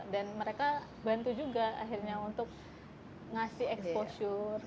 mereka bantu juga akhirnya untuk ngasih exposure